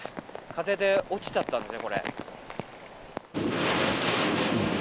風で落ちちゃったんですね。